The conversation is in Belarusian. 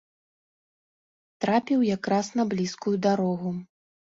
Трапіў якраз на блізкую дарогу.